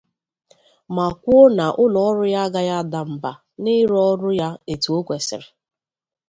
ma kwuo na ụlọọrụ ya agaghị ada mba n'ịrụ ọrụ ya etu o kwesiri